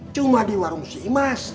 cuma di warung si imas